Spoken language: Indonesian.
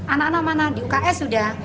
anak anak di uks sudah